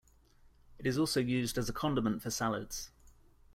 It is also used as a condiment for salads.